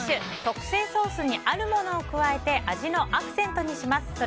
特製ソースにあるものを加えて味のアクセントにします。